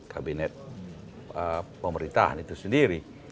kabinet pemerintahan itu sendiri